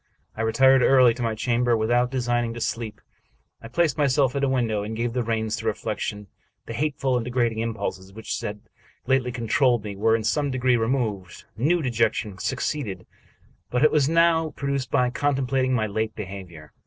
I retired early to my chamber, without designing to sleep. I placed myself at a window, and gave the reins to reflection. The hateful and degrading impulses which had lately con 2 t2 Charles Brockdcn Brown trolled me were, in some degree, removed. New dejection succeeded, but was now produced by contemplating my late behavior.